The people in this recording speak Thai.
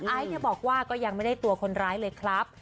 ไอซ์บอกว่าก็ยังไม่ได้ตัวคนร้ายเลยครับ